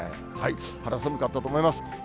肌寒かったと思います。